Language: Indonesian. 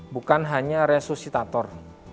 bukan hanya resusitator